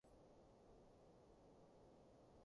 戰爭時候便去當軍醫，